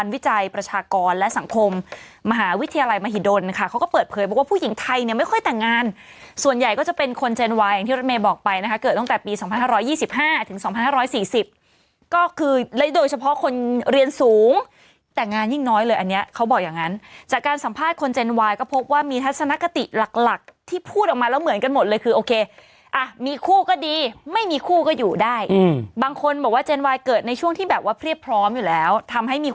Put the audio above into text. วิทยาลัยมหิดลเขาก็เปิดเผยบอกว่าผู้หญิงไทยไม่ค่อยแต่งงานส่วนใหญ่ก็จะเป็นคนเจนวายอย่างที่รัฐเมย์บอกไปเกิดตั้งแต่ปี๒๕๒๕ถึง๒๕๔๐ก็คือโดยเฉพาะคนเรียนสูงแต่งงานยิ่งน้อยเลยอันนี้เขาบอกอย่างนั้นจากการสัมภาษณ์คนเจนวายก็พบว่ามีทัศนกติหลักที่พูดออกมาแล้วเหมือนกันหมดเลยคือโอเคมีค